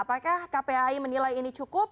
apakah kpai menilai ini cukup